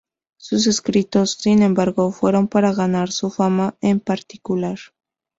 Sus escritos, sin embargo, fueron para ganar su fama en particular.